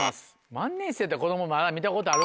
万年筆やったら子供まだ見たことある。